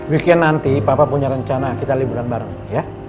weekend nanti papa punya rencana kita liburan bareng ya